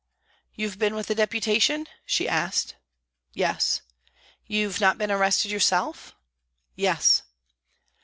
" You've been with the Deputation ?" she asked. " Yes." ;< You've not been arrested yourself ?"" Yes."